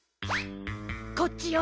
こっちよ。